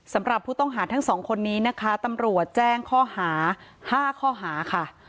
สำหรับผู้ต้องหาทั้งสองคนนี้นะคะตำรวจแจ้งข้อหา๕ข้อหาค่ะ